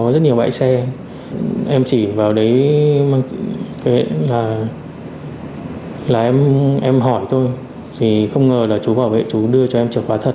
thì không ngờ là chú bảo vệ chú đưa cho em chìa khóa thật